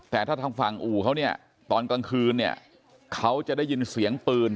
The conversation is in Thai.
แต่ถ้าทางฝั่งอู่เขาเนี่ยตอนกลางคืนเนี่ยเขาจะได้ยินเสียงปืน